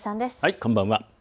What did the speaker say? こんばんは。